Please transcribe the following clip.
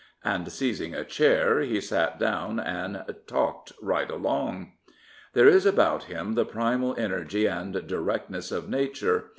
And, seizing a chair, he sat down and " talked right along." There is about him the primal energy and directness of nature.